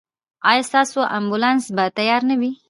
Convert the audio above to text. ایا ستاسو امبولانس به تیار نه وي؟